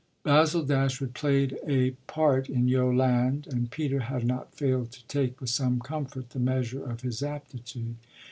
Basil Dashwood played a part in Yolande and Peter had not failed to take with some comfort the measure of his aptitude.